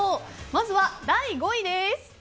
まずは第５位です。